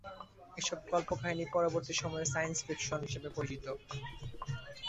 এসব কল্পকাহিনী পরবর্তী সময়ে 'সাইন্স ফিকশন' হিসেবে পরিচিত।